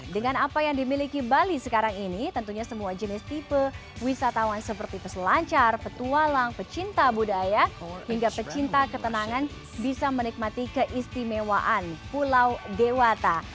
dengan apa yang dimiliki bali sekarang ini tentunya semua jenis tipe wisatawan seperti peselancar petualang pecinta budaya hingga pecinta ketenangan bisa menikmati keistimewaan pulau dewata